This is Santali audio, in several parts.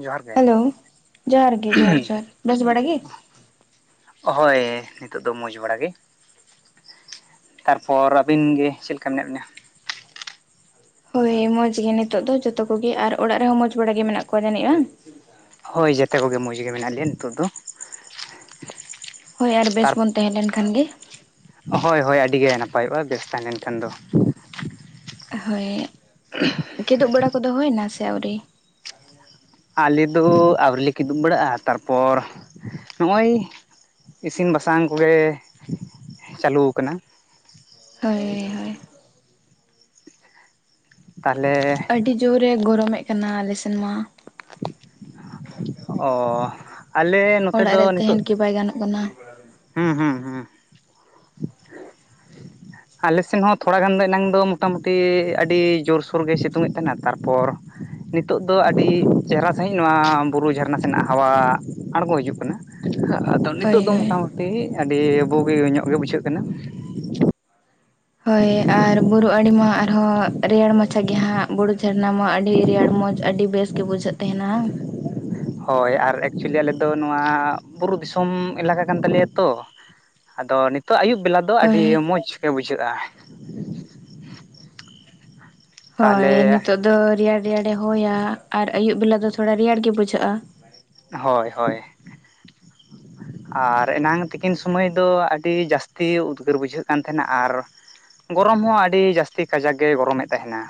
ᱡᱚᱦᱟᱨ ᱜᱮ ᱦᱮᱞᱳ ᱡᱚᱦᱟᱨ ᱜᱮ ᱡᱚᱦᱟᱨ ᱡᱚᱦᱟᱨ ᱵᱮᱥ ᱵᱟᱲ ᱜᱮ? ᱦᱳᱭ ᱱᱤᱛᱚᱜ ᱫᱚ ᱢᱚᱡᱽ ᱵᱟᱲᱟ ᱜᱮ ᱛᱟᱨᱯᱚᱨ ᱟᱹᱵᱤᱱ ᱜᱮ ᱪᱮᱫ ᱞᱮᱠᱟ ᱢᱮᱱᱟᱜ ᱵᱤᱱᱟ? ᱦᱳᱭ ᱢᱚᱡᱽ ᱜᱮ ᱱᱤᱛᱚᱜ ᱫᱚ ᱡᱚᱛᱚ ᱠᱚᱜᱮ ᱟᱨ ᱚᱲᱟᱜ ᱨᱮᱦᱚᱸ ᱢᱚᱸᱡᱽ ᱵᱟᱲᱟ ᱜᱮ ᱢᱮᱱᱟᱜ ᱠᱚᱣᱟ ᱡᱟᱹᱱᱤᱡ ᱵᱟᱝ? ᱦᱳᱭ ᱡᱚᱛᱮ ᱠᱚᱜᱮ ᱢᱚᱡᱽ ᱜᱮ ᱢᱮᱱᱟᱜ ᱞᱮᱭᱟ ᱱᱤᱛᱚᱜ ᱫᱚ᱾ ᱦᱳᱭ ᱟᱨ ᱛᱟᱨ ᱵᱮᱥ ᱵᱚᱱ ᱛᱟᱦᱮᱸ ᱞᱮᱱ ᱠᱷᱟᱱ ᱜᱮᱼᱼ ᱦᱳᱭ ᱦᱳᱭ ᱟᱹᱰᱤ ᱜᱮ ᱱᱟᱯᱟᱭᱚᱜᱼᱟ ᱵᱮᱥ ᱛᱟᱦᱮᱸ ᱞᱮᱱ ᱠᱷᱟᱱ ᱫᱚ᱾ ᱦᱳᱭᱼᱼ [unintelligible] ᱠᱤᱫᱩᱵ ᱵᱟᱲᱟ ᱠᱚᱫᱚ ᱦᱩᱭ ᱮᱱᱟ ᱥᱮ ᱟᱹᱣᱨᱤ? [inaudible] ᱟᱞᱮᱫᱚ ᱟᱹᱣᱨ ᱞᱮ ᱠᱤᱫᱩᱵ ᱵᱟᱲᱟᱜᱼᱟ ᱛᱟᱨᱯᱚᱨ ᱱᱚᱜᱼᱚᱭᱼᱼ ᱤᱥᱤᱱ ᱵᱟᱥᱟᱝ ᱠᱚᱜᱮ ᱪᱟᱹᱞᱩ ᱟᱠᱟᱱᱟ᱾ ᱦᱳᱭ ᱦᱳᱭ ᱛᱟᱦᱚᱞᱮᱼᱼ ᱟᱹᱰᱤ ᱡᱳᱨᱮ ᱮ ᱜᱚᱨᱚᱢᱮᱫ ᱠᱟᱱᱟ ᱟᱞᱮ ᱥᱮᱱ ᱢᱟ᱾ ᱚᱻ ᱟᱞᱮᱼᱼ ᱚᱲᱟᱜ ᱨᱮ ᱛᱟᱦᱮᱱ ᱠᱤ ᱵᱟᱭ ᱜᱟᱱᱚᱜ ᱠᱟᱱᱟ᱾ ᱦᱩᱸ ᱦᱩᱸ ᱦᱩᱸ ᱟᱞᱮ ᱥᱮᱱ ᱦᱚᱸ ᱛᱷᱚᱲᱟ ᱜᱟᱱ ᱫᱚ ᱮᱱᱟᱝ ᱫᱚ ᱢᱳᱴᱟ ᱢᱩᱴᱤ ᱟᱹᱰᱤ ᱡᱳᱨᱥᱳᱨ ᱜᱮ ᱥᱤᱛᱩᱝᱮᱫ ᱛᱟᱦᱮᱱᱟ ᱛᱟᱨᱯᱚᱨᱼᱼ ᱱᱤᱛᱚᱜ ᱫᱚ ᱟᱹᱰᱤ ᱪᱮᱦᱨᱟ ᱥᱟᱺᱦᱤᱡ ᱱᱚᱣᱟ ᱵᱩᱨᱩ ᱡᱷᱟᱨᱱᱟ ᱥᱮᱱᱟᱜ ᱦᱟᱣᱟ ᱟᱲᱜᱚ ᱦᱤᱡᱩᱜ ᱠᱟᱱᱟ᱾ ᱟᱫᱚ ᱦᱳᱭ ᱱᱤᱛᱚᱜ ᱫᱚ ᱦᱳᱭ ᱢᱚᱴᱟ ᱢᱩᱴᱤ ᱟᱹᱰᱤ ᱵᱩᱜᱤ ᱧᱚᱜ ᱜᱮ ᱵᱩᱡᱷᱟᱹᱜ ᱠᱟᱱᱟ᱾ ᱦᱳᱭ ᱟᱨ ᱵᱩᱨᱩ ᱟᱲᱮ ᱢᱟ ᱟᱨᱦᱚᱸ ᱨᱮᱭᱟᱲ ᱢᱟᱪᱷᱟ ᱜᱮ ᱦᱟᱸᱜ ᱵᱩᱨᱩ ᱡᱷᱟᱨᱱᱟ ᱢᱟ ᱟᱹᱰᱤ ᱨᱮᱭᱟᱲ ᱢᱚᱡᱽᱼᱼ ᱟᱹᱰᱤ ᱵᱮᱥ ᱜᱮ ᱵᱩᱡᱷᱟᱹᱜ ᱛᱟᱦᱮᱱᱟ ᱦᱳᱭ ᱟᱨ ᱮᱠᱪᱩᱭᱮᱞᱤ ᱟᱞᱮ ᱫᱚ ᱱᱚᱣᱟ ᱵᱩᱨᱩ ᱫᱤᱥᱚᱢ ᱮᱞᱟᱠᱟ ᱠᱟᱱ ᱛᱟᱞᱮᱭᱟ ᱛᱚ, ᱟᱫᱚ ᱱᱤᱛᱚᱜ ᱟᱹ ᱟᱭᱩᱵ ᱵᱮᱞᱟ ᱫᱚᱼᱼ ᱛᱚ ᱟᱹᱰᱤ ᱦᱳᱭ ᱢᱚᱡᱽ ᱜᱮ ᱵᱩᱡᱷᱟᱹᱜᱼᱟ᱾ ᱦᱳᱭ ᱛᱟᱦᱚᱞᱮ ᱱᱤᱛᱚᱜ ᱫᱚ ᱨᱮᱭᱟᱲ ᱨᱮᱭᱟᱲᱮ ᱦᱚᱭᱟ ᱟᱨ ᱟᱹᱭᱩᱵ ᱵᱮᱞᱟ ᱫᱚ ᱛᱷᱚᱲᱟ ᱨᱮᱭᱟᱲ ᱜᱮ ᱵᱩᱡᱷᱟᱹᱜᱼᱟ᱾ ᱦᱳᱭ ᱦᱳᱭ ᱟᱨ ᱮᱱᱟᱝ ᱛᱤᱠᱤᱱ ᱥᱚᱢᱚᱭ ᱫᱚ ᱟᱹᱰᱤ ᱡᱟᱹᱥᱛᱤ ᱩᱫᱽᱜᱟᱹᱨ ᱵᱩᱡᱷᱟᱹᱜ ᱠᱟᱱ ᱛᱟᱦᱮᱱᱟ ᱟᱨᱼᱼ ᱜᱚᱨᱚᱢ ᱦᱚᱸ ᱟᱹᱰᱤ ᱡᱟᱹᱥᱛᱤ ᱠᱟᱡᱟᱠ ᱜᱮᱭ ᱜᱚᱨᱚᱢᱮᱫ ᱛᱟᱦᱮᱱᱟ᱾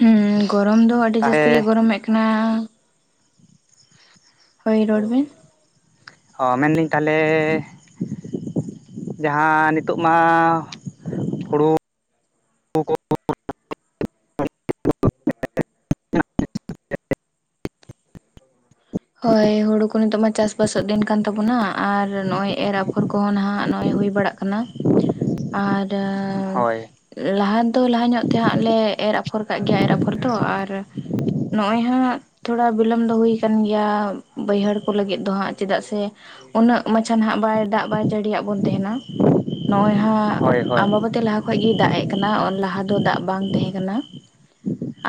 ᱦᱮᱸ ᱜᱚᱨᱚᱢ ᱫᱚ ᱟᱹᱰᱤ ᱡᱟᱹᱟᱥᱛᱤ ᱜᱮ ᱛᱟᱦᱚᱞᱮ ᱜᱚᱨᱚᱢ ᱮᱫ ᱠᱟᱱᱟᱼᱼ ᱦᱩᱭ ᱨᱚᱲᱵᱮᱱ? ᱚ ᱢᱮᱱᱫᱟᱹᱧ ᱛᱟᱦᱚᱞᱮ ᱡᱟᱦᱟᱸ ᱱᱤᱛᱳᱜ ᱢᱟ ᱦᱩᱲᱩ ᱠᱚ [unintelligible] ᱦᱳᱭ ᱦᱩᱲᱩ ᱠᱚ ᱱᱤᱛᱚᱜ ᱢᱟ ᱪᱟᱥ ᱵᱟᱥᱚᱜ ᱫᱤᱱ ᱠᱟᱱ ᱛᱟᱵᱚᱱᱟ ᱟᱨ ᱱᱚᱜ-ᱚᱭ ᱮᱨ ᱟᱯᱷᱚᱨ ᱠᱚ ᱠᱚᱦᱚᱸ ᱱᱟᱦᱟᱜ ᱱᱚᱜ-ᱚᱭ ᱦᱩᱭ ᱵᱟᱲᱟᱜ ᱠᱟᱱᱟ, [unintelligible] ᱟᱨᱻ ᱦᱳᱭ ᱞᱟᱦᱟ ᱫᱚ ᱞᱟᱦᱟ ᱧᱚᱜ ᱛᱮᱦᱟᱸᱜ ᱞᱮ ᱮᱨ ᱟᱯᱷᱚᱨ ᱠᱟᱜ ᱜᱮᱭᱟ ᱮᱨ ᱟᱯᱷᱚᱨ ᱫᱚ ᱟᱨᱼᱼ ᱱᱚᱜ-ᱚᱭ ᱦᱟᱸᱜ ᱛᱷᱚᱲᱟ ᱵᱤᱞᱚᱢ ᱫᱚ ᱦᱩᱭ ᱟᱠᱟᱱ ᱜᱮᱭᱟ ᱼᱼ ᱭᱟ ᱵᱟᱹᱭᱦᱟᱹᱲ ᱠᱚ ᱞᱟᱹᱜᱤᱫ ᱫᱚ ᱦᱟᱸᱜ ᱪᱮᱫᱟᱜ ᱥᱮ ᱩᱱᱟᱹᱜ ᱢᱟᱪᱷᱟ ᱱᱟᱦᱟᱜ ᱵᱟᱭ ᱫᱟᱜ ᱵᱟᱭ ᱡᱟᱹᱲᱤᱭᱟᱜ ᱵᱚᱱ ᱛᱟᱦᱮᱱᱟ ᱾ ᱱᱚᱜ-ᱚᱭ ᱦᱟᱸᱜ ᱦᱳᱭ ᱦᱳᱭ ᱟᱢᱵᱟᱵᱚᱛᱤ ᱞᱟᱦᱟ ᱠᱷᱚᱡ ᱜᱤᱭ ᱫᱟᱜᱼᱮᱜ ᱠᱟᱱᱟ ᱞᱟᱦᱟ ᱫᱚ ᱫᱟᱜ ᱵᱟᱝ ᱛᱟᱦᱮᱸ ᱠᱟᱱᱟ,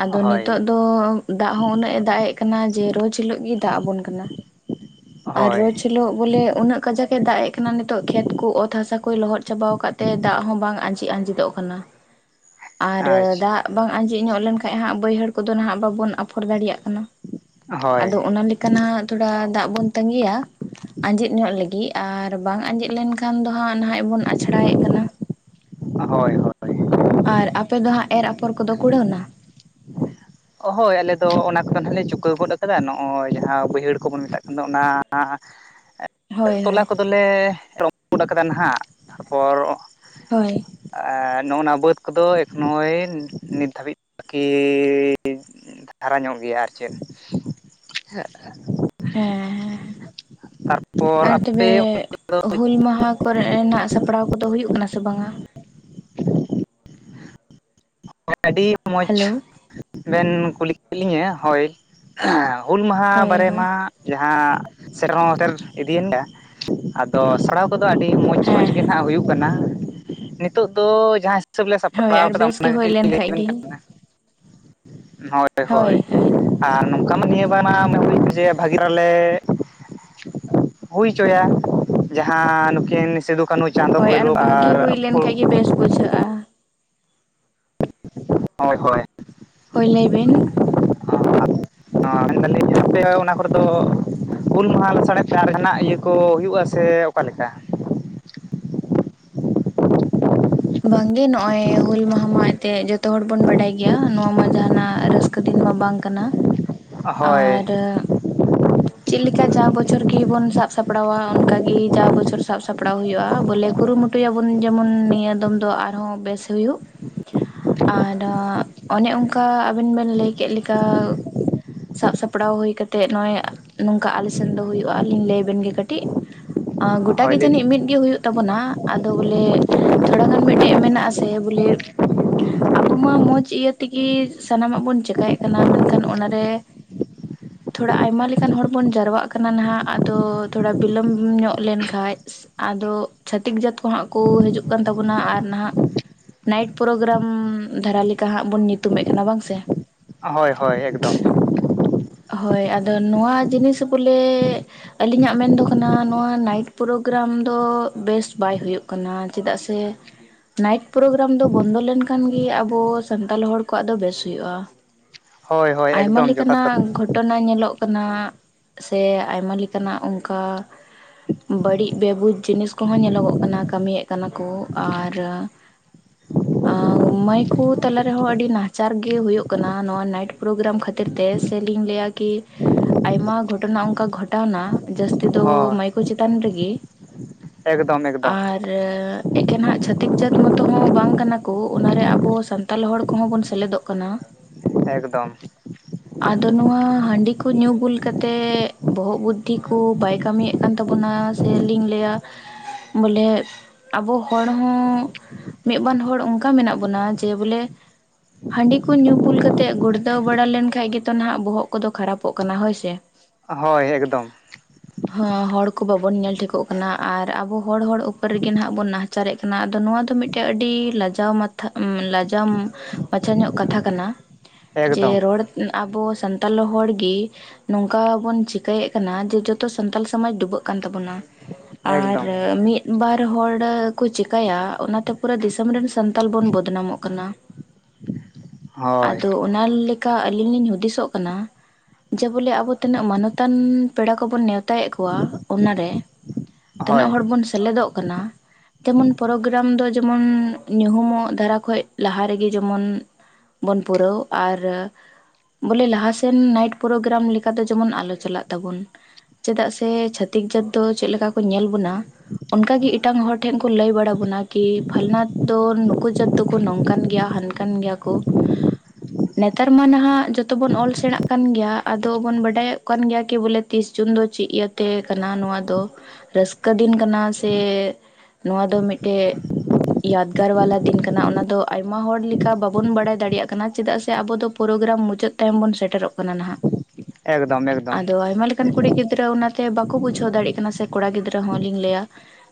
ᱟᱫᱚ ᱦᱳᱭ ᱱᱤᱛᱚᱜ ᱫᱚ ᱫᱟᱜ ᱦᱚᱸ ᱩᱱᱟᱹᱜ ᱮ ᱫᱟᱜᱼᱮᱜ ᱠᱟᱱᱟ ᱡᱮ ᱨᱳᱡᱽ ᱦᱤᱞᱳᱜ ᱜᱮ ᱫᱟᱜ ᱟᱵᱚᱱ ᱠᱟᱱᱟ᱾ ᱟᱨ ᱦᱳᱭ ᱨᱳᱡᱽ ᱦᱤᱞᱳᱜ ᱵᱚᱞᱮ ᱩᱱᱟᱹᱜ ᱠᱟᱡᱟᱠ ᱮ ᱫᱟᱜ ᱮᱜ ᱠᱟᱱᱟ ᱱᱤᱛᱚᱜ ᱠᱷᱮᱛ ᱠᱚ ᱚᱛ ᱦᱟᱥᱟ ᱠᱚ ᱞᱚᱦᱚᱫ ᱪᱟᱵᱟᱣ ᱟᱠᱟᱫ ᱛᱮ ᱫᱟᱜ ᱦᱚᱸ ᱵᱟᱝ ᱟᱸᱡᱮ ᱟᱸᱡᱮᱫᱚᱜ ᱠᱟᱱᱟ ᱾ [inaudible] ᱟᱨ ᱟᱪᱪᱷᱟ ᱫᱟᱜ ᱵᱟᱝ ᱟᱸᱡᱮᱫ ᱧᱚᱜ ᱞᱮᱱᱠᱷᱟᱡ ᱦᱟᱸᱜ ᱵᱟᱹᱭᱦᱟᱹᱲ ᱠᱚᱫᱚ ᱱᱟᱦᱟᱜ ᱵᱟᱵᱚᱱ ᱟᱯᱷᱚᱨ ᱫᱟᱲᱤᱭᱟᱜ ᱠᱟᱱᱟ᱾ ᱦᱳᱭ ᱟᱫᱚ ᱚᱱᱟ ᱞᱮᱠᱟ ᱱᱟᱦᱟᱜ ᱛᱷᱚᱲᱟ ᱫᱟᱜ ᱵᱚᱱ ᱛᱟᱺᱜᱤᱭᱟ ᱾ ᱟᱸᱡᱮᱫ ᱧᱚᱜ ᱞᱟᱹᱜᱤᱫ ᱟᱨ ᱵᱟᱝ ᱟᱸᱡᱮᱫ ᱞᱮᱱᱠᱷᱟᱱ ᱫᱚ ᱦᱟᱸᱜ ᱱᱟᱦᱟᱜ ᱵᱚᱱ ᱟᱪᱷᱲᱟᱭᱮᱫ ᱠᱟᱱᱟ ᱾ ᱦᱳᱭ ᱾ ᱟᱨ ᱟᱯᱮ ᱫᱚ ᱦᱟᱸᱜ ᱮᱨ ᱟᱯᱚᱨ ᱠᱚᱫᱚ ᱠᱩᱲᱟᱹᱣᱱᱟ? ᱦᱳᱭ ᱟᱞᱮ ᱫᱚ ᱚᱱᱟ ᱠᱚᱫᱚ ᱱᱟᱦᱟᱜ ᱞᱮ ᱪᱩᱠᱟᱹᱣ ᱜᱚᱫ ᱠᱟᱫᱟ, ᱱᱚᱜᱼᱚᱭ ᱡᱟᱦᱟᱸ ᱵᱟᱹᱭᱦᱟᱹᱲ ᱠᱚᱵᱚᱱ ᱢᱮᱛᱟᱜ ᱠᱟᱱᱟ ᱚᱱᱟ ᱦᱳᱭ ᱛᱚᱞᱟ ᱦᱳᱭ ᱠᱚᱫᱚᱞᱮ [unintelligible] ᱜᱚᱫ ᱠᱟᱫᱟ ᱱᱟᱦᱟᱜ ᱛᱟᱨᱯᱚᱨ ᱦᱳᱭ ᱾ ᱟᱨ ᱱᱚᱜᱼᱱᱚᱣᱟ ᱵᱟᱹᱫᱽ ᱠᱚᱫᱚ ᱮᱠᱷᱚᱱᱳᱭ ᱱᱤᱛ ᱫᱷᱟᱹᱵᱤᱡ ᱵᱟᱠᱤᱻ ᱠᱤ ᱫᱷᱟᱨᱟ ᱧᱚᱜ ᱜᱮᱭᱟ ᱟᱨ ᱪᱮᱫ ᱾ ᱦᱮ ᱦᱮᱸᱻ ᱛᱟᱨᱯᱚᱨ ᱟᱨ ᱛᱚᱵᱮ ᱟᱯᱮ ᱦᱩᱞ ᱢᱟᱦᱟ ᱠᱚᱨᱮ ᱨᱮᱱᱟᱜ ᱥᱟᱯᱲᱟᱣ ᱠᱚᱫᱚ ᱦᱩᱭᱩᱜ ᱠᱟᱱᱟ ᱥᱮ ᱵᱟᱝᱼᱟ? [unintelligible] ᱟᱹᱰᱤ ᱢᱚᱡᱽ ᱦᱮᱞᱳ ᱵᱮᱱ ᱠᱩᱞᱤ ᱠᱮᱫ ᱞᱤᱧᱟᱹ ᱦᱳᱭ ᱾ ᱦᱮᱸ ᱦᱩᱞ ᱢᱟᱦᱟ ᱦᱳᱭ ᱵᱟᱨᱮ ᱦᱳᱭ ᱢᱟ ᱡᱟᱦᱟᱸ ᱥᱮᱨᱦᱚᱸ [unintelligible] ᱤᱫᱤᱭᱮᱱᱟ ᱾ ᱛᱚ ᱥᱟᱲᱟᱣ ᱠᱚᱫᱚ ᱟᱹᱰᱤ ᱢᱚᱡᱽ ᱢᱚᱡᱽ ᱦᱮᱸ ᱜᱮ ᱦᱮᱸ ᱱᱟᱦᱟᱜ ᱦᱩᱭᱩᱜ ᱠᱟᱱᱟ ᱾ ᱱᱤᱛᱚᱜ ᱫᱚ ᱡᱟᱦᱟᱸ ᱦᱤᱥᱟᱹᱵ ᱞᱮ ᱦᱳᱭ ᱥᱟᱯᱲᱟᱣ ᱟᱨ ᱠᱟᱫᱟ ᱵᱮᱥ ᱚᱱᱟ ᱜᱮ ᱦᱩᱭ ᱠᱟᱹᱴᱤᱡ ᱞᱤᱧ ᱞᱮᱱ ᱞᱟᱹᱭ ᱠᱷᱟᱡ ᱟᱵᱮᱱ ᱜᱮ ᱠᱟᱱᱟ ᱦᱳᱭ ᱾ ᱦᱳᱭ ᱟᱨ ᱱᱚᱝᱠᱟ ᱢᱟ ᱱᱤᱭᱟᱹ ᱵᱟᱨ ᱢᱟ [unintelligible] ᱡᱮ ᱵᱷᱟᱹᱜᱤ ᱨᱮᱞᱮ ᱦᱩᱭ ᱦᱚᱪᱚᱭᱟ ᱡᱟᱦᱟᱸ ᱱᱩᱠᱤᱱ ᱥᱤᱫᱩ, ᱠᱟᱹᱱᱩ ᱪᱟᱸᱫ, ᱦᱳᱭ ᱵᱷᱳᱭᱨᱳ ᱵᱷᱟᱜᱤ ᱟᱨ ᱦᱩᱭ ᱞᱮᱱ ᱯᱷᱩᱞ ᱠᱷᱟᱡ ᱜᱮ ᱵᱮᱥ ᱵᱩᱡᱷᱟᱹᱜᱼᱟ ᱾ ᱦᱳᱭ ᱦᱳᱭ ᱾ ᱦᱳᱭ ᱞᱟᱹᱭ ᱵᱤᱱ ᱾ ᱦᱚᱸ ᱢᱮᱱ ᱫᱟᱞᱤᱧ ᱟᱯᱮ ᱚᱱᱟ ᱠᱚᱨᱮ ᱫᱚ ᱦᱩᱞ ᱢᱟᱦᱟ ᱞᱟᱥᱟᱲᱦᱮᱫ ᱛᱮ ᱟᱨ ᱡᱟᱦᱟᱱᱟᱜ ᱤᱭᱟᱹ ᱠᱚ ᱦᱩᱭᱩᱜᱼᱟ ᱥᱮ ᱚᱠᱟ ᱞᱮᱠᱟ? ᱵᱟᱝ ᱜᱮ ᱱᱚᱜᱼᱚᱭ ᱦᱩᱞ ᱢᱟᱦᱟ ᱢᱟ ᱮᱱᱛᱮᱫ ᱡᱚ ᱛᱚ ᱦᱚᱲ ᱵᱚᱱ ᱵᱟᱰᱟᱭ ᱜᱮᱭᱟ, ᱱᱚᱶᱟ ᱢᱟ ᱡᱟᱦᱟᱱᱟᱜ ᱨᱟᱹᱥᱠᱟᱹ ᱫᱤᱱ ᱢᱟ ᱵᱟᱝ ᱠᱟᱱᱟ ᱾ ᱦᱳᱭ ᱟᱨ ᱪᱤᱫ ᱞᱮᱠᱟ ᱡᱟᱣ ᱵᱚᱪᱷᱚᱨ ᱜᱮ ᱵᱚᱱ ᱥᱟᱵ ᱥᱟᱯᱲᱟᱣᱟ, ᱚᱱᱠᱟ ᱜᱤ ᱡᱟ ᱵᱚᱪᱷᱚᱨ ᱥᱟᱵ ᱥᱟᱯᱲᱟᱣ ᱦᱩᱭᱩᱜᱼᱟ ᱵᱚᱞᱮ ᱠᱩᱨᱩᱢᱩᱴᱩᱭᱟᱵᱚᱱ ᱡᱮᱢᱚᱱ ᱱᱤᱭᱟᱹ ᱫᱚᱢ ᱫᱚ ᱟᱨᱦᱚᱸ ᱵᱮᱥ ᱦᱩᱭᱩᱜ ᱾ [inaudible] ᱟᱨ ᱚᱱᱮ ᱚᱱᱠᱟ ᱟᱵᱮᱱ ᱵᱮᱱ ᱞᱟᱹᱭ ᱠᱮᱫ ᱞᱮᱠᱟ ᱥᱟᱵ ᱥᱟᱯᱲᱟᱣ ᱦᱩᱭ ᱠᱟᱛᱮᱜ ᱱᱚᱜᱼᱚᱭ ᱱᱚᱝᱠᱟ ᱟᱞᱮ ᱥᱮᱱ ᱫᱚ ᱦᱩᱭᱩᱜᱼᱟ ᱟᱞᱤᱧ ᱞᱟᱹᱭ ᱟᱵᱮᱱ ᱜᱮ ᱠᱟᱹᱴᱤᱡ, ᱜᱚᱴᱟ ᱦᱳᱭ ᱜᱮ ᱞᱟᱹᱭ ᱡᱟᱹᱱᱤᱡ ᱢᱤᱫ ᱜᱮ ᱦᱩᱭᱩᱜ ᱛᱟᱵᱚᱱᱟ ᱟᱫᱚ ᱵᱚᱞᱮ ᱛᱷᱚᱲᱟ ᱜᱟᱱ ᱢᱤᱫᱴᱮᱡ ᱢᱮᱱᱟᱜ ᱟᱥᱮ ᱵᱚᱞᱮ ᱟᱵᱚ ᱢᱟ ᱢᱚᱸᱡᱽ ᱤᱭᱟᱹ ᱛᱤᱜᱤ ᱥᱟᱱᱟᱢᱟᱜ ᱵᱚᱱ ᱪᱮᱠᱟᱭᱮᱫ ᱠᱟᱱᱟ ᱢᱮᱱᱠᱷᱟᱱ ᱚᱱᱟᱨᱮ ᱛᱷᱚᱲᱟ ᱟᱭᱢᱟ ᱞᱮ ᱠᱟᱱ ᱦᱚᱲ ᱵᱚᱱ ᱡᱟᱨᱚᱣᱟᱜ ᱠᱟᱱᱟ ᱱᱟᱦᱟᱜ ᱟᱫᱚ ᱛᱷᱚᱲᱟ ᱵᱤᱞᱚᱢ ᱧᱚᱜ ᱞᱮᱱᱠᱷᱟᱡ ᱟᱫᱚ, ᱪᱷᱟᱹᱛᱤᱠ ᱡᱟᱹᱛ ᱠᱚ ᱦᱟᱸᱜ ᱠᱚ ᱦᱤᱡᱩᱜ ᱠᱟᱱ ᱛᱟᱵᱚᱱᱟ ᱟᱨ ᱱᱟᱦᱟᱜ ᱱᱟᱭᱤᱴ ᱯᱨᱳᱜᱨᱟᱢ ᱫᱷᱟᱨᱟ ᱞᱮᱠᱟ ᱦᱟᱸᱜ ᱵᱚᱱ ᱧᱩᱛᱩᱢᱮᱫ ᱠᱟᱱᱟ ᱵᱟᱝ ᱥᱮ? ᱦᱳᱭ- ᱦᱳᱭ ᱮᱠᱫᱚᱢ ᱾ ᱦᱳᱭ ᱟᱫᱚ ᱱᱚᱣᱟ ᱡᱤᱱᱤᱥ ᱵᱚᱞᱮ ᱟᱹᱞᱤᱧᱟᱜ ᱢᱮᱱᱫᱚ ᱠᱟᱱᱟ ᱱᱚᱣᱟ ᱱᱟᱭᱤᱴ ᱯᱨᱳᱜᱜᱨᱟᱢ ᱫᱚ ᱵᱮᱹᱥ ᱵᱟᱭ ᱦᱳᱭᱳᱜ ᱠᱟᱱᱟ ᱪᱮᱫᱟᱜ ᱥᱮ ᱱᱟᱭᱤᱴ ᱯᱨᱳᱜᱨᱟᱢ ᱫᱚ ᱵᱚᱱᱫᱚ ᱞᱮᱱᱠᱷᱟᱱ ᱜᱮ ᱟᱵᱚ ᱥᱟᱱᱛᱟᱲ ᱦᱚᱲ ᱠᱚᱣᱟᱜ ᱫᱚ ᱵᱮᱹᱥ ᱦᱳᱭᱳᱜᱼᱟ ᱾ ᱦᱳᱭ ᱦᱳᱭ ᱟᱭᱢᱟ ᱮᱠᱫᱚᱢ ᱡᱚᱛᱷᱟᱛ ᱞᱮᱠᱟᱱᱟᱜ ᱠᱟᱛᱷᱟ ᱜᱷᱚᱴᱚᱱᱟ ᱧᱮᱞᱚᱜ ᱴᱚᱱᱟᱜ, ᱥᱮ ᱟᱭᱢᱟ ᱞᱮᱠᱟᱱᱟᱜ ᱚᱱᱠᱟ ᱵᱟᱹᱲᱤᱡ ᱵᱮᱵᱩᱡᱽ ᱡᱤᱱᱤᱥ ᱠᱚᱦᱚᱸ ᱧᱮᱞᱚᱜᱚᱜ ᱠᱟᱱᱟ ᱠᱟᱹᱢᱤᱭᱮᱫ ᱠᱟᱱᱟ ᱠᱚ ᱟᱨ [inaudible] ᱥᱚ-ᱲᱚᱜ ᱾ ᱢᱟᱹᱭ ᱠᱚ ᱛᱟᱞᱟ ᱨᱮᱦᱚᱸ ᱟᱹᱰᱤ ᱱᱟᱦᱟᱪᱟᱨ ᱜᱮ ᱦᱩᱭᱳᱜ ᱠᱟᱱᱟ ᱱᱚᱣᱟ ᱱᱟᱭᱤᱴ ᱯᱨᱳᱜᱨᱜᱟᱢ ᱠᱷᱟᱹᱛᱤᱨ ᱾ ᱛᱮ ᱥᱮᱞᱤᱧ ᱞᱟᱹᱭᱟ ᱠᱤ ᱛᱮᱜ ᱟᱭᱢᱟ ᱜᱷᱚᱴᱚᱱᱟ ᱚᱱᱠᱟ ᱜᱷᱚᱴᱟᱣᱱᱟ ᱡᱟᱹᱥᱛᱤ ᱫᱚ ᱦᱳᱭ ᱢᱟᱹᱭᱠᱳ ᱪᱮᱛᱟᱱ ᱨᱮᱜᱮ ᱠᱷᱮᱸᱠ ᱾ ᱮᱠᱫᱚᱢ -ᱮᱠᱫᱚᱢ ᱾ [inaudible] ᱮ-ᱜ ᱮᱠᱷᱮᱱ ᱦᱟᱜ ᱪᱷᱟᱹᱛᱤᱠ ᱡᱟᱹᱛ ᱢᱚᱛᱚ ᱦᱚᱸ ᱵᱟᱝ ᱠᱟᱱᱟ ᱠᱚ ᱚᱱᱟᱨᱮ ᱟᱵᱚ ᱥᱟᱱ ᱛᱟᱞᱦᱮ ᱦᱚᱲ ᱠᱚᱦᱚᱸ ᱵᱚᱱ ᱥᱮᱞᱮᱫᱚᱜ ᱠᱟᱱᱟ ᱾ᱛᱟᱸᱜ ᱴᱷᱚᱲᱚᱜ, ᱮᱠᱫᱚᱢ ᱾ ᱟᱫᱚ ᱱᱚᱣᱟ ᱦᱟᱺᱰᱤ ᱠᱚ ᱠᱩ ᱧᱩ ᱵᱩᱞ ᱠᱛᱮᱫ ᱵᱚᱦᱚᱜ ᱵᱩᱫᱷᱤ ᱠᱚ ᱵᱟᱭ ᱠᱟᱹᱢᱤᱭᱮᱫ ᱠᱟᱱ ᱛᱟᱵᱚᱱᱟ ᱥᱮ ᱞᱤᱧ ᱞᱟᱹᱭᱟ ᱴᱷᱚᱲᱝ-ᱴᱷᱤᱝ -ᱴᱷᱤᱝ ᱵᱚᱞᱮ ᱟᱵᱚ ᱦᱚᱲ ᱦᱚᱸ ᱢᱤᱫ ᱵᱟᱨ ᱦᱚᱲ ᱚᱱᱠᱟ ᱢᱮᱱᱟᱜ ᱵᱚᱱᱟ ᱡᱮ ᱵᱚᱞᱮ ᱦᱟᱺᱰᱤ ᱠᱚ ᱧᱩ ᱵᱩᱞ ᱠᱟᱛᱮᱫ ᱜᱩᱲᱫᱟᱹᱣ ᱵᱟᱲᱟ ᱞᱮᱱᱠᱷᱟᱡ ᱜᱮᱛᱚ ᱱᱟᱦᱟᱜ ᱵᱚᱦᱚᱜ ᱠᱚᱫᱚ ᱠᱷᱟᱨᱟᱯ ᱳᱜ ᱠᱟᱱᱟ ᱦᱚᱭ ᱥᱮ, ᱳᱜ ᱾ ᱦᱳᱭ, ᱮᱜᱽᱫᱚᱢ ᱾ ᱦᱚᱸ, ᱦᱚᱲ ᱠᱚ ᱵᱟᱵᱚᱱ ᱧᱮᱞ ᱴᱷᱤᱠᱚᱜ ᱠᱟᱱᱟ ᱟᱨ ᱟᱵᱚ ᱦᱚᱲ ᱚᱲᱦ- ᱩᱯᱚᱨ ᱨᱮᱜᱮ ᱱᱟᱦᱟᱜ ᱵᱚᱱ ᱱᱟᱦ ᱪᱟᱨᱮᱜ ᱠᱟᱱᱟ ᱟᱫᱚ ᱱᱚᱣᱟ ᱫᱚ ᱢᱤᱫᱴᱮᱱ ᱟᱹᱰᱤ ᱞᱟᱡᱟᱣ ᱢᱟᱛᱷᱟ ᱞᱟᱡᱟᱣ ᱪᱮᱫ ᱯᱟᱪᱷᱟ ᱧᱚᱜ ᱠᱟᱛᱷᱟ ᱠᱟᱱᱟ ᱡᱮ ᱮᱠᱫᱚᱢ ᱨᱚᱲ ᱮᱫ ᱟᱵᱚ ᱥᱟᱱᱛᱟᱞ ᱦᱚᱲᱡ ᱜᱤ ᱱᱚᱝᱠᱟ ᱵᱚᱱ ᱪᱤᱠᱟᱹᱭᱮᱫ ᱠᱟᱱᱟ ᱡᱮ ᱡᱚᱛᱚ ᱥᱟᱱᱛᱟᱞ ᱥᱚᱢᱟᱡᱽ ᱰᱩᱵᱟᱹᱜ ᱠᱟᱱ ᱛᱟᱵᱚᱱᱟ᱾ ᱴᱷᱚᱲᱚᱜ ᱟᱨ ᱮᱠᱫᱚᱢ ᱢᱤᱫ᱾ ᱵᱟᱨ ᱦᱚᱲ ᱠᱚ ᱪᱤᱠᱟᱹᱭᱟ ᱚᱱᱟᱛᱮ ᱯᱩᱨᱟᱹ ᱫᱤᱥᱚᱢ ᱨᱮᱱ ᱥᱟᱱᱛᱟᱞ ᱵᱩᱱ ᱵᱚᱫᱱᱟᱢᱚᱜ ᱠᱟᱱᱟ᱾ ᱥ-ᱥᱚᱢᱢ-ᱵᱚᱜ ᱾ ᱟᱫᱚ ᱚᱱᱟᱞ ᱞᱮᱠᱟ ᱟᱹᱞᱤᱧ ᱞᱤᱧ ᱦᱩᱫᱤᱥᱚᱜ ᱠᱟᱱᱟ ᱡᱮᱵᱚᱞᱮ ᱟᱵᱚ ᱛᱤᱱᱟᱹᱜ ᱢᱟᱱᱚᱛᱟᱱ ᱯᱮᱲᱟ ᱠᱚᱵᱚᱱ ᱱᱮᱣᱛᱟᱭᱮᱫ ᱠᱚᱣᱟ ᱚᱱᱟᱨᱮ᱾ ᱦᱳᱭ ᱛᱤᱱᱟᱹᱜ ᱦᱚᱲ ᱵᱚᱱ ᱥᱮᱞᱮᱫᱚᱜ ᱠᱟᱱᱟ᱾ ᱡᱮᱢᱚᱱ ᱯᱨᱳᱜᱨᱟᱢ ᱫᱚ ᱡᱮᱢᱚᱱ ᱧᱩᱦᱩᱢᱚᱜ ᱫᱷᱟᱨᱟ ᱠᱷᱚᱱ ᱞᱟᱦᱟ ᱨᱮᱜᱮ ᱡᱮᱢᱚᱱ ᱵᱚᱱ ᱯᱩᱨᱟᱹᱣ ᱟᱨ ᱵᱚᱞᱮ ᱞᱟᱦᱟᱥᱮᱱ ᱱᱟᱭᱤᱴ ᱯᱨᱳᱜᱨᱟᱢ ᱞᱮᱠᱟᱛᱮ ᱡᱮᱢᱚᱱ ᱟᱞᱚ ᱪᱟᱞᱟᱜ ᱛᱟᱵᱚᱱ᱾ ᱪᱮᱫᱟᱜ ᱥᱮ ᱪᱷᱟᱹᱛᱤᱠ ᱡᱟᱹᱛ ᱫᱚ ᱪᱮᱞ ᱞᱮᱠᱟ ᱠᱚ ᱧᱮᱞ ᱵᱚᱱᱟ᱾ ᱚᱱᱠᱟᱜ ᱜᱮ ᱮᱴᱟᱝ ᱦᱚᱲ ᱴᱷᱮᱱ ᱠᱚ ᱞᱟᱹᱭ ᱵᱟᱲᱟ ᱵᱚᱱᱟ ᱠᱤ ᱯᱷᱟᱞᱱᱟᱛᱷ ᱫᱚ ᱱᱩᱠᱩ ᱡᱟᱹᱛ ᱫᱚᱠᱚ ᱱᱚᱝᱠᱟᱱ ᱜᱮᱭᱟ ᱦᱟᱱ ᱠᱟᱱ ᱜᱮᱭᱟ ᱠᱚ᱾ [inaudible] ᱦᱚᱲᱨ-ᱦᱚᱜ-, ᱦᱚᱨ-ᱦᱚᱴ-ᱴ ᱾ ᱱᱮᱛᱟᱨ ᱢᱟ ᱱᱟᱦᱟᱜ ᱡᱚᱛᱚ ᱵᱚᱱ ᱚᱞ ᱥᱮᱬᱟᱜ ᱠᱟᱱ ᱜᱮᱭᱟ᱾ ᱟᱫᱚ ᱵᱚᱱ ᱵᱟᱰᱟᱭᱚᱜ ᱠᱟᱱ ᱜᱮᱭᱟ ᱠᱤ ᱵᱚᱞᱮ ᱛᱤᱥ ᱡᱩᱱ ᱫᱚ ᱪᱮᱫ ᱤᱭᱟᱹᱛᱮ ᱠᱟᱱᱟ ᱱᱚᱣᱟ ᱫᱚ ᱥᱟ ᱨᱟᱹᱥᱠᱟᱹ ᱫᱤᱱ ᱠᱟᱱᱟ ᱥᱮ ᱱᱚᱣᱟ ᱫᱚ ᱢᱤᱫᱴᱮᱡ ᱮᱭᱟᱫᱜᱟᱨ ᱵᱟᱞᱟ ᱫᱤᱱ ᱠᱟᱱᱟ ᱚᱱᱟᱫᱚ ᱟᱭᱢᱟ ᱦᱚᱲ ᱞᱮᱠᱟ ᱵᱟᱵᱚᱱ ᱵᱟᱲᱟᱭ ᱫᱟᱲᱮᱭᱟᱜ ᱠᱟᱱᱟ ᱪᱮᱫᱟᱜ ᱥᱮ ᱟᱵᱚ ᱫᱚ ᱾ ᱯᱨᱳᱜᱨᱟᱢ ᱢᱩᱪᱟᱹᱫ ᱛᱟᱭᱚᱢ ᱵᱚᱱ ᱥᱮᱴᱮᱨᱚᱜ ᱠᱟᱱᱟ ᱱᱟᱜ, ᱮᱠᱫᱚᱢ ᱮᱠᱫᱚᱢ ᱟᱫᱚ ᱟᱭᱢᱟ ᱞᱮ ᱠᱟᱱ ᱠᱩᱲᱤ ᱜᱤᱫᱽᱨᱟᱹ ᱚᱱᱟᱛᱮ ᱵᱟᱠᱚ ᱵᱩᱡᱷᱟᱹᱣ ᱫᱟᱲᱮᱭᱟᱜ ᱠᱟᱱᱟ ᱥᱮ ᱠᱚᱲᱟ ᱜᱤᱫᱽᱨᱟᱹ ᱦᱚᱸᱞᱤᱧ ᱞᱟᱹᱭᱟ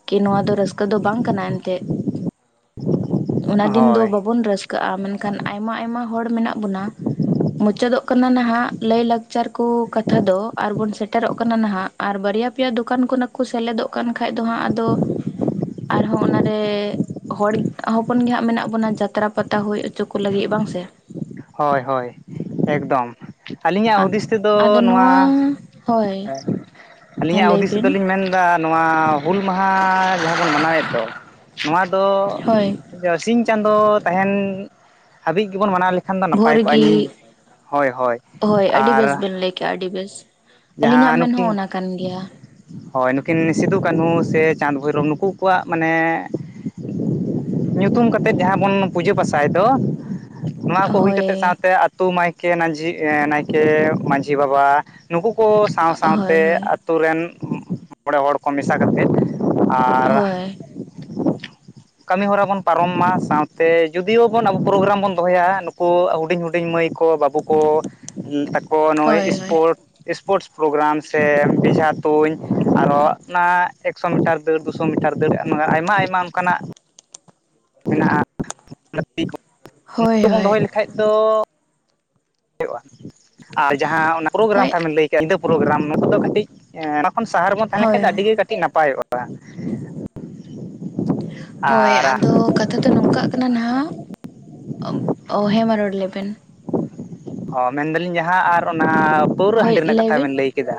ᱠᱤ ᱱᱚᱣᱟ ᱫᱚ ᱨᱟᱹᱥᱠᱟᱹ ᱫᱚ ᱵᱟᱝ ᱠᱟᱱᱟ ᱮᱱᱛᱮᱫ ᱾ [inaudible] ᱚᱱᱟ ᱫᱤᱱ ᱫᱚ ᱦᱳᱭ ᱵᱟᱵᱚᱱ ᱨᱟᱹᱥ ᱠᱟᱜᱼᱟ ᱢᱮᱱᱠᱷᱟᱱ ᱟᱭᱢᱟ ᱟᱭᱢᱟ ᱦᱚᱲ ᱢᱮᱱᱟᱜ ᱵᱚᱱᱟ ᱢᱩᱪᱟᱹᱫᱚᱜ ᱠᱟᱱᱟ ᱱᱟᱦᱟᱜ ᱾ ᱞᱟᱹᱭ ᱞᱟᱠᱪᱟᱨ ᱠᱚ ᱠᱟᱛᱷᱟ ᱫᱚ ᱟᱨᱵᱩᱱ ᱥᱮᱴᱮᱨᱚᱜ ᱠᱟᱱᱟ ᱱᱟᱜ, ᱟᱨ ᱵᱟᱨᱭᱟ ᱯᱮᱭᱟ ᱫᱚᱠᱟᱱ ᱠᱷᱚᱱᱟᱜᱼᱼ ᱠᱚ ᱥᱮᱞᱮᱫᱚᱜ ᱠᱟᱱ ᱠᱷᱟᱡ ᱫᱚ ᱦᱟᱸᱜ ᱟᱫᱚ ᱟᱨᱦᱚᱸ ᱚᱱᱟᱨᱮᱼᱼ ᱦᱚᱲ ᱦᱚᱯᱚᱱ ᱜᱮᱦᱟᱸᱜ ᱢᱮᱱᱟᱜ ᱵᱚᱱᱟ ᱡᱟᱛᱨᱟ ᱯᱟᱛᱟ ᱦᱩᱭ ᱚᱪᱚ ᱠᱚ ᱞᱟᱹᱜᱤᱫ ᱵᱟᱝ ᱥᱮ ᱾ ᱦᱚᱭ ᱦᱚᱭ ᱮᱠᱫᱚᱢ ᱾ ᱟᱹᱞᱤᱧᱟᱜ ᱦᱩᱫᱤᱥ ᱛᱮᱫᱚ ᱱᱚᱣᱟ ᱦᱳᱭ ᱦᱮᱸᱼᱼ ᱦᱮᱸ ᱟᱹᱞᱤᱧᱟᱜ ᱞᱟᱹᱭ ᱦᱩᱫᱤᱥ ᱛᱮᱫᱚ ᱵᱤᱱ ᱞᱤᱧ ᱢᱮᱱᱫᱟ ᱱᱚᱣᱟ ᱦᱩᱞ ᱢᱟᱦᱟ ᱡᱟᱦᱟᱸ ᱵᱚᱱ ᱢᱟᱱᱟᱣᱮᱫ ᱫᱚᱼᱼ ᱱᱚᱣᱟ ᱫᱚ ᱦᱳᱭ ᱥᱤᱧ ᱪᱟᱸᱫᱚ ᱛᱟᱦᱮᱱ ᱦᱟᱹᱵᱤᱡ ᱜᱮᱵᱚᱱ ᱢᱟᱱᱟᱣ ᱞᱮ ᱮᱱᱠᱷᱟᱱ ᱫᱚ ᱱᱟᱯᱟᱭ ᱠᱚᱜᱼᱟ ᱤᱧ ᱾ ᱦᱚᱭ ᱟᱹᱰᱤ ᱵᱮᱥ ᱵᱮᱱ ᱞᱟᱹᱭ ᱠᱮᱜᱼᱟ ᱟᱹᱰᱤ ᱵᱮᱥ ᱾ ᱟᱹᱞᱤᱧᱟᱜ ᱢᱮᱱ ᱦᱚᱸ ᱚᱱᱟ ᱠᱟᱱ ᱜᱮᱭᱟ ᱾ ᱦᱚᱭ ᱱᱩᱠᱤᱱ ᱥᱤᱫᱩ ᱠᱟᱹᱱᱦᱩ ᱥᱮ ᱪᱟᱸᱫᱽ ᱵᱷᱳᱭᱨᱚᱵ ᱱᱩᱠᱩ ᱠᱚᱣᱟᱜ ᱢᱟᱱᱮᱼᱼ ᱧᱩᱛᱩᱢ ᱠᱟᱛᱮᱫ ᱡᱟᱦᱟᱸ ᱵᱚᱱ ᱯᱩᱡᱟᱹ ᱯᱟᱥᱟᱭ ᱫᱚᱼᱼ ᱱᱚᱣᱟ ᱠᱚ ᱦᱩᱭ ᱦᱳᱭ ᱠᱟᱛᱮᱫ ᱥᱟᱶᱛᱮ ᱟᱹᱛᱩ ᱢᱟᱭᱠᱮ ᱱᱟᱡᱷᱤ ᱱᱟᱭᱠᱮ ᱢᱟᱹᱡᱷᱤ ᱵᱟᱵᱟᱼᱼ ᱱᱩᱠᱩ ᱠᱚ ᱥᱟᱶ ᱦᱳᱭ ᱥᱟᱶᱛᱮ ᱦᱳᱭ ᱟᱛᱩ ᱨᱮᱱ ᱢᱚᱬᱮ ᱦᱚᱲ ᱠᱚ ᱢᱮᱥᱟ ᱠᱟᱛᱮᱫᱼᱼ ᱟᱨᱼᱼ ᱦᱳᱭ ᱠᱟᱹᱢᱤ ᱦᱚᱨᱟ ᱵᱚᱱ ᱯᱟᱨᱚᱢ ᱢᱟ ᱾ ᱥᱟᱶᱛᱮ ᱡᱩᱫᱤᱭᱳ ᱵᱚᱱ ᱟᱵᱚ ᱯᱨᱳᱜᱨᱟᱢ ᱵᱚᱱᱼᱼ ᱫᱚᱦᱚᱭᱟ, ᱱᱩᱠᱩ ᱦᱩᱰᱤᱧ ᱦᱩᱰᱤᱧ ᱢᱟᱹᱭ ᱠᱚ ᱵᱟᱹᱵᱩ ᱠᱚ ᱛᱟᱠᱚ ᱱᱚᱜᱼᱚᱭ ᱦᱳᱭ ᱦᱳᱭ ᱤᱥᱯᱳᱨᱴᱼᱼ ᱤᱥᱯᱳᱨᱴᱥ ᱯᱨᱳᱜᱨᱟᱢ ᱥᱮ ᱵᱮᱡᱷᱟ ᱛᱩᱧ ᱟᱨᱚ ᱚᱱᱟ ᱮᱠᱥᱳ ᱢᱤᱴᱟᱨᱼᱼ ᱫᱟᱹᱲ ᱫᱩᱥᱚ ᱢᱤᱴᱟᱨ ᱫᱟᱹᱲ ᱮᱢᱟᱱ ᱟᱭᱢᱟ ᱟᱭᱢᱟ ᱚᱱᱠᱟᱱᱟᱜᱼᱼ ᱢᱮᱱᱟᱜᱼᱟ ᱞᱟ. ᱛᱤ ᱫᱚ ᱱᱚᱣᱟ ᱦᱳᱭ [inaudible] ᱠᱚᱵᱚᱱ ᱦᱳᱭ ᱫᱚᱦᱚᱭ ᱞᱮᱠᱷᱟᱡ ᱫᱚᱼᱼ ᱦᱩᱭᱩᱜᱼᱟ, ᱟᱨ ᱡᱟᱦᱟᱸ ᱚᱱᱟ ᱯᱨᱳᱜᱨᱟᱢ ᱦᱳᱭ ᱠᱟᱛᱷᱟ ᱵᱤᱱ ᱞᱟᱹᱭᱼᱼ ᱧᱤᱫᱟᱹ ᱯᱨᱳᱜᱨᱟᱢ ᱱᱚᱦᱟ ᱫᱚ ᱠᱟᱹᱴᱤᱡ ᱱᱚᱦᱟ ᱠᱷᱚᱱ ᱠᱟᱹᱴᱤᱡ ᱥᱟᱦᱟ ᱨᱮ ᱵᱚᱱ ᱛᱟᱦᱮᱸ ᱞᱮᱱᱠᱷᱟᱱ ᱫᱚ ᱦᱳᱭ ᱟᱹᱰᱤᱜᱮ ᱠᱟᱹᱴᱤᱡ ᱱᱟᱯᱟᱭᱚᱜᱼᱟ ᱾ ᱦᱳᱭ ᱟᱫᱚ ᱠᱟᱛᱼᱼ ᱱᱤᱛᱚ ᱫᱚ ᱱᱚᱝᱠᱟᱜ ᱠᱟᱱᱟ ᱱᱟᱜ, ᱩ ᱦᱮᱸ ᱢᱟ ᱱᱚᱰᱮ ᱞᱟᱹᱭ ᱵᱮᱱ ᱾ ᱚ ᱢᱮᱱ ᱫᱟᱞᱤᱧ ᱡᱟᱦᱟᱸ ᱟᱨ ᱚᱱᱟ ᱯᱟᱹᱣᱨᱟᱹ ᱦᱳᱭ ᱦᱟᱺᱰᱤ ᱨᱮᱱᱟᱜ ᱠᱟᱛᱷᱟ ᱵᱤᱱ ᱵᱮᱱ ᱞᱟᱹᱭ ᱠᱮᱫᱟ᱾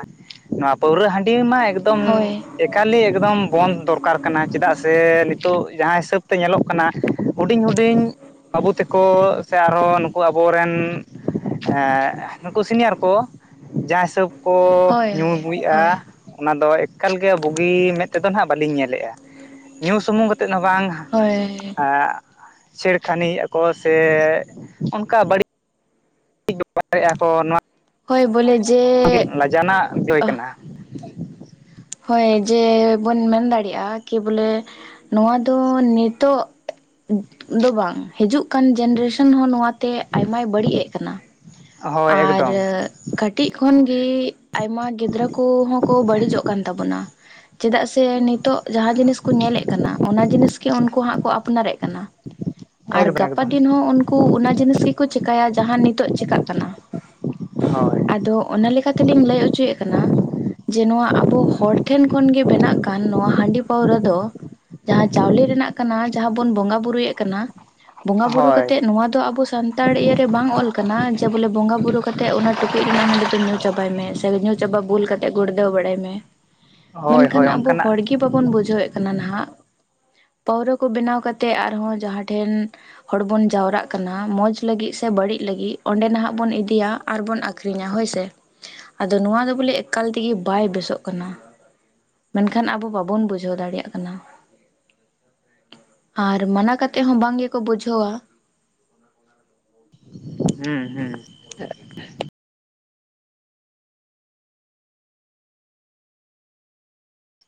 ᱱᱚᱣᱟ ᱯᱟᱹᱣᱨᱟᱹ ᱦᱟᱺᱰᱤ ᱢᱟ ᱮᱠᱫᱚᱢᱼᱼ ᱦᱳᱭ ᱮᱠᱟᱞᱤ ᱮᱠᱫᱚᱢ ᱵᱚᱱᱫᱷ ᱫᱚᱨᱠᱟᱨ ᱠᱟᱱᱟ ᱪᱮᱫᱟᱜ ᱥᱮ ᱱᱤᱛᱚᱜ ᱡᱟᱦᱟᱸ ᱦᱤᱥᱟᱹᱵ ᱛᱮ ᱧᱮᱞᱚᱜ ᱠᱟᱱᱟᱼᱼ ᱦᱩᱰᱤᱧ ᱦᱩᱰᱤᱧ ᱵᱟᱹᱵᱩ ᱛᱟᱠᱚ ᱥᱮ ᱟᱨᱦᱚ ᱱᱩᱠᱩ ᱟᱵᱚᱨᱮᱱᱼᱼ ᱱᱩᱠᱩ ᱥᱤᱱᱤᱭᱟᱨ ᱠᱚ ᱡᱟᱦᱟᱸ ᱦᱤᱥᱟᱹᱵᱼᱼ ᱠᱚ ᱦᱳᱭ ᱧᱩ ᱦᱳᱭ ᱟᱹᱜᱩᱭᱮᱫᱼᱟ ᱾ ᱚᱱᱟ ᱫᱚ ᱮᱠᱟᱞᱜᱮ ᱵᱩᱜᱤ ᱢᱮᱫ ᱛᱮᱫᱚ ᱦᱟᱜ ᱵᱟᱹᱞᱤᱧ ᱧᱮᱞᱮᱫᱼᱟ ᱾ ᱧᱩ ᱥᱩᱢᱩᱝ ᱠᱟᱛᱮᱜ ᱦᱚᱸ ᱵᱟᱝᱼᱼ ᱦᱚᱭ ᱾ ᱪᱷᱲᱠᱷᱟᱱᱤᱭᱮᱼᱟ ᱠᱚ ᱥᱮ ᱚᱱᱠᱟ ᱵᱟᱹᱲᱤᱡᱼᱼ ᱵᱮᱯᱟᱨᱮᱫᱼᱟ [unintelligible] ᱠᱚ ᱱᱚᱣᱟ ᱦᱚᱭ ᱵᱚᱞᱮ ᱡᱮᱼᱼ ᱡᱟᱱᱟᱜ ᱡᱚᱭ ᱠᱟᱱᱟ ᱾ ᱦᱚᱭ ᱡᱮ ᱵᱚᱱ ᱢᱮᱱ ᱫᱟᱲᱮᱭᱟᱜᱼᱟ ᱠᱤ ᱵᱚᱞᱮ ᱱᱚᱣᱟ ᱫᱚ ᱱᱤᱛᱚᱜᱼᱼ ᱫᱚ ᱵᱟᱝ ᱦᱤᱡᱩᱜ ᱠᱟᱱ ᱡᱱᱟᱨᱮᱥᱚᱱ ᱦᱚᱸ ᱱᱚᱣᱟᱛᱮ ᱟᱭᱢᱟᱭ ᱵᱟᱹᱲᱤᱡ ᱮᱜ ᱠᱟᱱᱟ ᱾ ᱦᱳᱭ ᱟᱨ ᱮᱠᱫᱚᱢ ᱮ ᱠᱟᱹᱴᱤᱡ ᱠᱷᱚᱱᱜᱮ ᱟᱭᱢᱟ ᱜᱤᱫᱽᱨᱟᱹ ᱠᱚᱦᱚᱸ ᱠᱚ ᱵᱟᱹᱲᱤᱡᱚᱜ ᱠᱟᱱ ᱛᱟᱵᱚᱱᱟ᱾ ᱪᱮᱫᱟᱜ ᱥᱮ ᱱᱤᱛᱚᱜ ᱡᱟᱦᱟᱸ ᱡᱤᱱᱤᱥ ᱠᱚ ᱧᱮᱞᱮᱫ ᱠᱟᱱᱟ ᱚᱱᱟ ᱡᱤᱱᱤᱥ ᱜᱮ ᱩᱱᱠᱩ ᱦᱟᱸᱜ ᱠᱚ ᱟᱯᱱᱟᱨᱮᱫ ᱠᱟᱱᱟ᱾ [unintelligible] ᱟᱨ ᱜᱟᱯᱟ ᱮᱠᱫᱚᱢ ᱫᱤᱱ ᱦᱚᱸ ᱩᱱᱠᱩ ᱚᱱᱟ ᱡᱤᱱᱤᱥ ᱜᱮᱠᱚ ᱪᱮᱠᱟᱭᱟ ᱡᱟᱦᱟᱸ ᱱᱤᱛᱚᱜ ᱪᱮᱠᱟᱜ ᱠᱟᱱᱟ᱾ ᱦᱳᱭ ᱟᱫᱚ ᱚᱱᱟ ᱞᱮᱠᱟ ᱛᱮᱞᱤᱧ ᱞᱟᱹᱭ ᱦᱚᱪᱚᱭᱮᱫ ᱠᱟᱱᱟ᱾ ᱡᱮ ᱱᱚᱣᱟ ᱟᱵᱚ ᱦᱚᱲ ᱴᱷᱮᱱ ᱠᱷᱚᱱᱜᱮ ᱵᱮᱱᱟᱜ ᱠᱟᱱ ᱱᱚᱣᱟ ᱦᱟᱺᱰᱤ ᱯᱟᱹᱣᱨᱟᱹ ᱫᱚ, ᱡᱟᱦᱟᱸ ᱪᱟᱣᱞᱮ ᱨᱮᱱᱟᱜ ᱠᱟᱱᱟ ᱡᱟᱦᱟᱸ ᱵᱚᱱ ᱵᱚᱸᱜᱟ ᱵᱳᱨᱩᱭᱮᱫ ᱠᱟᱱᱟ᱾ ᱵᱚᱸᱜᱟ ᱵᱩᱨᱩ ᱦᱳᱭ ᱠᱟᱛᱮᱜ ᱱᱚᱣᱟ ᱫᱚ ᱟᱵᱚ ᱥᱟᱱᱛᱟᱲ ᱤᱭᱟᱹᱨᱮ ᱵᱟᱝ ᱚᱞ ᱠᱟᱱᱟ ᱡᱮ, ᱡᱮ ᱵᱚᱞᱮ ᱵᱚᱸᱜᱟ ᱵᱩᱨᱩ ᱠᱟᱛᱮᱜ ᱚᱱᱟ ᱴᱩᱠᱩᱡ ᱨᱮᱱᱟᱜ ᱦᱟᱺᱰᱤ ᱫᱚ ᱧᱩ ᱪᱟᱵᱟᱭ ᱢᱮ ᱥᱮ ᱧᱩ ᱪᱟᱵᱟ ᱵᱩᱞ ᱠᱟᱛᱮ ᱜᱩᱲᱫᱟᱹᱣ ᱵᱟᱲᱟᱭ ᱢᱮ᱾ ᱦᱳᱭ ᱢᱮᱱᱠᱷᱟᱱ ᱦᱳᱭ ᱟᱵᱚ ᱚᱱᱠᱟᱱᱟᱜ ᱦᱚᱲ ᱜᱮ ᱵᱟᱵᱚᱱ ᱵᱩᱡᱷᱟᱹᱣᱮᱫ ᱠᱟᱱᱟ ᱱᱟᱦᱟᱸᱜ᱾ ᱯᱟᱹᱣᱨᱟᱹ ᱠᱚ ᱵᱮᱱᱟᱣ ᱠᱟᱛᱮᱜ ᱟᱨᱦᱚᱸ ᱡᱟᱦᱟᱸ ᱴᱷᱮᱱ, ᱦᱚᱲ ᱵᱚᱱ ᱡᱟᱣᱨᱟᱜ ᱠᱟᱱᱟ ᱢᱚᱸᱪ ᱞᱟᱹᱜᱤᱫ ᱥᱮ ᱵᱟᱹᱲᱤᱡ ᱞᱟᱹᱜᱤᱫ? ᱚᱸᱰᱮ ᱱᱟᱦᱟᱸᱜ ᱵᱚᱱ ᱤᱫᱤᱭᱟ ᱟᱨ ᱵᱚᱱ ᱟᱠᱷᱨᱤᱧᱟ ᱦᱳᱭ ᱥᱮ? ᱟᱫᱚ ᱱᱚᱣᱟ ᱫᱚ ᱵᱚᱞᱮ ᱮᱠᱟᱞ ᱛᱮᱜᱮ ᱵᱟᱭ ᱵᱮᱥᱚᱜ ᱠᱟᱱᱟ᱾ ᱢᱮᱱᱠᱷᱟᱱ ᱟᱵᱚ ᱵᱟᱵᱚᱱ ᱵᱩᱡᱷᱟᱹᱣ ᱫᱟᱲᱮᱭᱟᱜ ᱠᱟᱱᱟ᱾ ᱟᱨ ᱢᱟᱱᱟ ᱠᱟᱛᱮᱫ ᱦᱚᱸ ᱵᱟᱝ ᱜᱮᱠᱚ ᱵᱩᱡᱷᱟᱹᱣᱟ᱾ ᱦᱩᱸ ᱦᱩᱸ,